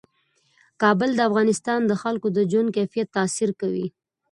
کابل د افغانستان د خلکو د ژوند کیفیت تاثیر کوي.